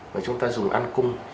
mà chúng ta dùng ăn cung